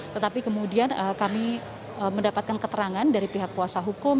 tetapi kemudian kami mendapatkan keterangan dari pihak kuasa hukum